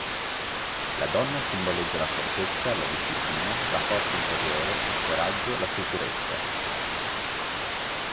La donna simboleggia la fortezza, la disciplina, la forza interiore, il coraggio, la sicurezza.